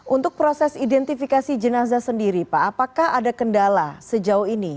untuk proses identifikasi jenazah sendiri pak apakah ada kendala sejauh ini